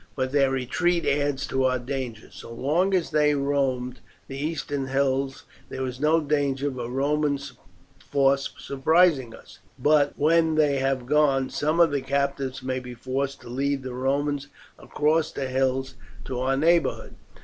But their retreat adds to our danger. So long as they roamed the eastern hills there was no danger of a Roman force surprising us, but when they have gone some of the captives may be forced to lead the Romans across the hills to our neighbourhood.